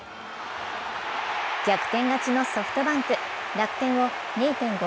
逆転勝ちのソフトバンク楽天を２．５